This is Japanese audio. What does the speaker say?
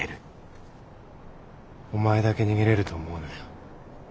お前だけ逃げれると思うなよ。